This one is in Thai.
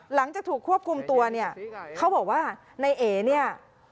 หลังจากถูกควบคุมตัวเนี่ยเขาบอกว่าในเอเนี่ย